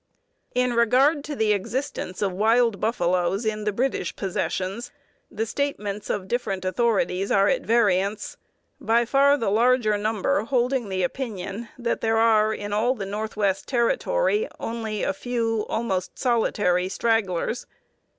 In regard to the existence of wild buffaloes in the British Possessions, the statements of different authorities are at variance, by far the larger number holding the opinion that there are in all the Northwest Territory only a few almost solitary stragglers.